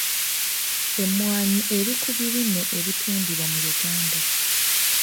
Emmwanyi eri ku birime ebitundibwa mu Uganda.